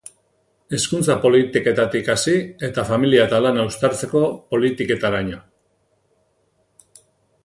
Hezkuntza politiketatik hasi eta familia eta lana uztartzeko politiketaraino.